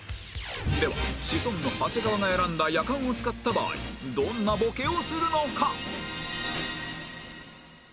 ではシソンヌ長谷川が選んだやかんを使った場合どんなボケをするのか？